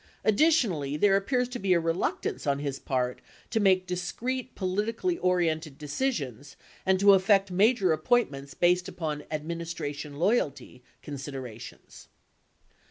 Addi tionally, there appears to be a reluctance on his part to make discrete politically oriented decisions and to effect major appointments based upon administration loyalty consider ations."